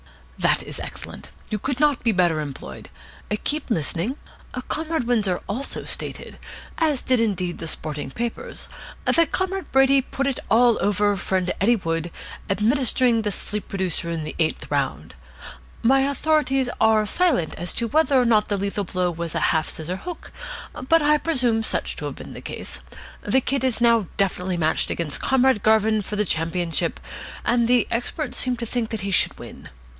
"That is excellent. You could not be better employed. Keep listening. Comrade Windsor also stated as indeed did the sporting papers that Comrade Brady put it all over friend Eddie Wood, administering the sleep producer in the eighth round. My authorities are silent as to whether or not the lethal blow was a half scissor hook, but I presume such to have been the case. The Kid is now definitely matched against Comrade Garvin for the championship, and the experts seem to think that he should win.